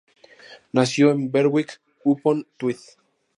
Nació en Berwick-upon-Tweed.